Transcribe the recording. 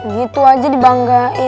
gitu aja dibanggain